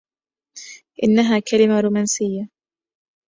انها كلمة رومانسية.